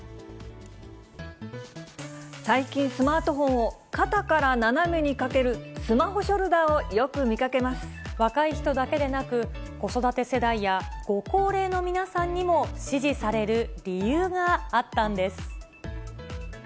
最近、スマートフォンを肩から斜めにかけるスマホショルダーをよく見か若い人だけでなく、子育て世代やご高齢の皆さんにも支持される理由があったんです。